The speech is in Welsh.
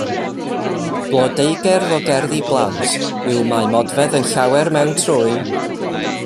Blodeugerdd o gerddi i blant yw Mae Modfedd yn Llawer Mewn Trwyn.